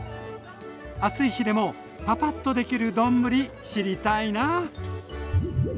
暑い日でもパパッとできる丼知りたいな。